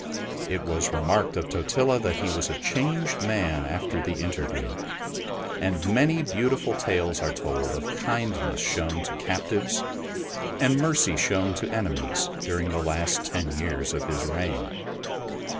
It was remarked of Totila that he was a changed man after the interview, and many beautiful tales are told of kindness shown to captives and mercy shown to enemies during the last ten years of his reign.